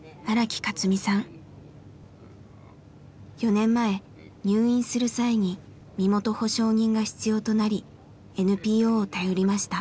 ４年前入院する際に身元保証人が必要となりＮＰＯを頼りました。